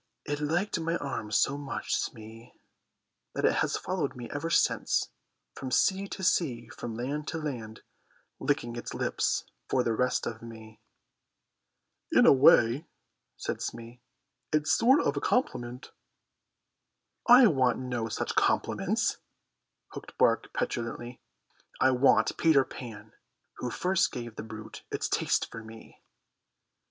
"It liked my arm so much, Smee, that it has followed me ever since, from sea to sea and from land to land, licking its lips for the rest of me." "In a way," said Smee, "it's sort of a compliment." "I want no such compliments," Hook barked petulantly. "I want Peter Pan, who first gave the brute its taste for me."